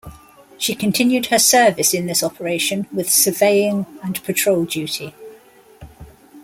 She continued her service in this operation with surveying and patrol duty.